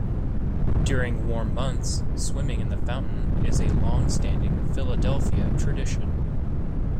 During warm months, swimming in the fountain is a long-standing Philadelphia tradition.